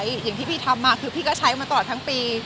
อย่างที่พี่ทำมาคือพี่ก็ใช้มาตลอดทั้งปี